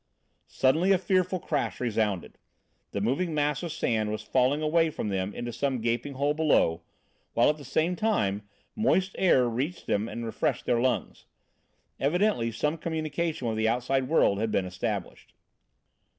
Suddenly a fearful crash resounded. The moving mass of sand was falling away from them into some gaping hole below, while at the same time fresh, moist air reached them and refreshed their lungs. Evidently some communication with the outside world had been established.